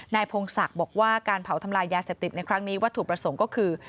พงศักดิ์บอกว่าการเผาทำลายยาเสพติดในครั้งนี้วัตถุประสงค์ก็คือ